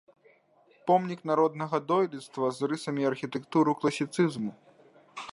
Помнік народнага дойлідства з рысамі архітэктуры класіцызму.